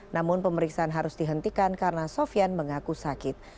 namun pemeriksaan harus dihentikan karena sofian mengaku sakit